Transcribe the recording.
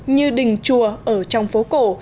như đình chùa ở trong phố cổ